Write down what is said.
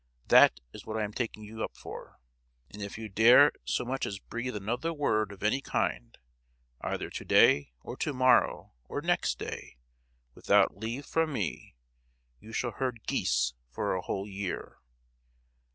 That is what I am taking you up for. And if you dare so much as breathe another word of any kind, either to day or to morrow, or next day, without leave from me, you shall herd geese for a whole year.